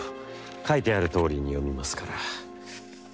書いてあるとおりに読みますから」。